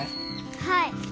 はい。